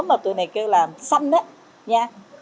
mà tụi này kêu là xanh